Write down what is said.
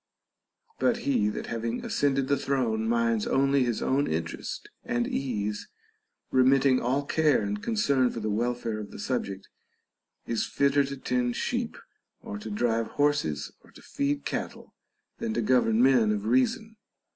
But he that having ascended the throne minds only his own interest and ease, remitting all care and concern for the welfare of the subject, is fitter to tend sheep or to drive horses or to feed cattle than to govern men of reason.